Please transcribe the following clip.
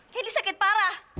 kendi sakit parah